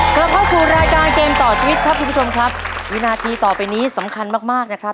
กลับเข้าสู่รายการเกมต่อชีวิตครับคุณผู้ชมครับวินาทีต่อไปนี้สำคัญมากมากนะครับ